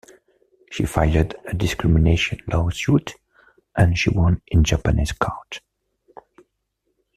She filed a discrimination lawsuit, and she won in Japanese court.